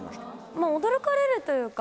驚かれるというか。